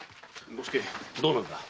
伍助どうなんだ？